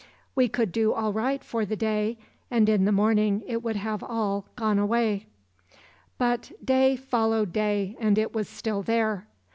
We could do all right for the day and in the morning it would have all gone away. "But day followed day and it was still there.